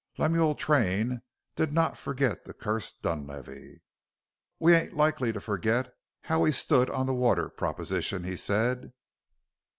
Lemuel Train did not forget to curse Dunlavey. "We ain't likely to forget how he stood on the water proposition," he said.